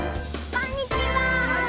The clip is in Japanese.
こんにちは。